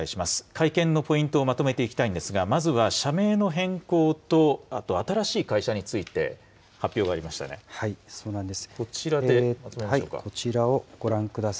会見のポイントをまとめていきたいんですが、まずは社名の変更と新しい会社について発表がありまそうなんです。